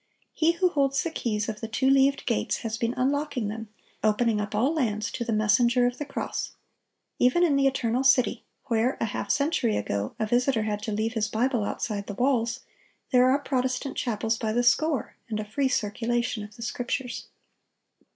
He who holds the keys of the two leaved gates has been unlocking them, opening up all lands to the Messenger of the Cross. Even in the Eternal City, where, a half century ago, a visitor had to leave his Bible outside the walls, there are Protestant chapels by the score, and a free circulation of the Scriptures."